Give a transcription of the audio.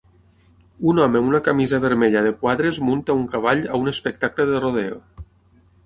Un home amb una camisa vermella de quadres munta un cavall a un espectacle de rodeo.